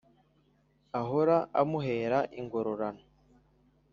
Ahora amuhera ingororano.